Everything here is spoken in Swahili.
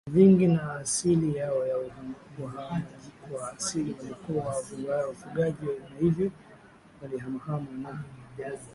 vingi na asili yao ya uhamajiKwa asili walikuwa wafugaji na hivyo walihamahama na